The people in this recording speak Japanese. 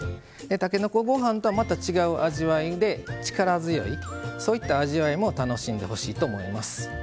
たけのこご飯とはまた違う味わいで力強い、そういった味わいも楽しんでほしいと思います。